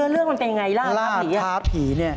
เรื่องมันเป็นอย่างไรล่าท้าผี